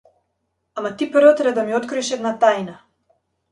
Ама ти прво треба да ми откриеш една тајна!